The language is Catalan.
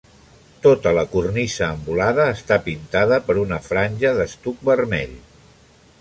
Tota la cornisa envolada està pintada per una franja d'estuc vermell.